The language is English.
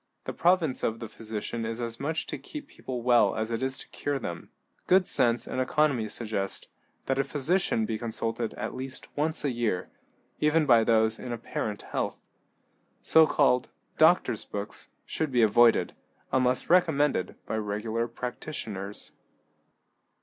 The province of the physician is as much to keep people well as it is to cure them. Good sense and economy suggest that a physician be consulted at least once a year, even by those in apparent health. So called "doctors' books" should be avoided, unless recommended by regular practitioners.